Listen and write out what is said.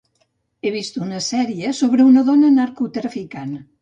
He vist una sèrie sobre una dona narcotraficant.